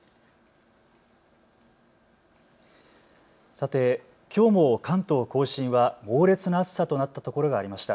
さて、きょうも関東甲信は猛烈な暑さとなったところがありました。